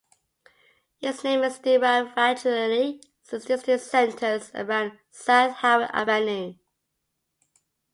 Its name is derived factually since the district centers around South Howard Avenue.